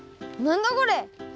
なんだこれ！